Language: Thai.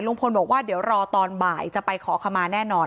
บอกว่าเดี๋ยวรอตอนบ่ายจะไปขอขมาแน่นอน